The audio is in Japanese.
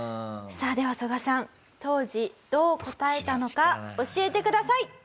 さあではソガさん当時どう答えたのか教えてください。